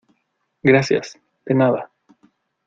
gracias. de nada .